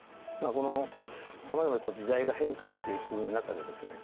この様々時代が変化していく中でですね